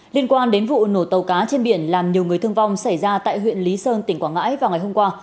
liên quan đến vụ nổ tàu cá trên biển làm nhiều người thương vong xảy ra tại huyện lý sơn tỉnh quảng ngãi vào ngày hôm qua